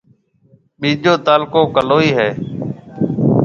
ٻيجو تعلقو ڪلوئِي ھيََََ